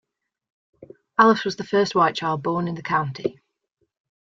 Alice was the first white child born in the county.